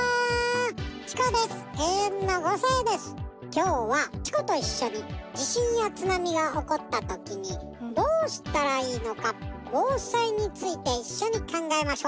今日はチコと一緒に地震や津波が起こった時にどうしたらいいのか防災について一緒に考えましょう。